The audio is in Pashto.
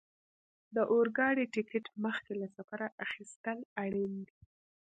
د اورګاډي ټکټ مخکې له سفره اخیستل اړین دي.